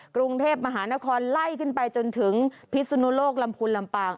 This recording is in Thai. กรุงเทพมหานครไล่ขึ้นไปจนถึงพิศนุโลกลำพูนลำปาง